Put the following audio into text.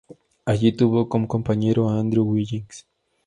Allí tuvo como compañero a Andrew Wiggins.